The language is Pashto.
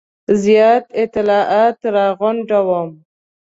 زیات اطلاعات را غونډوم.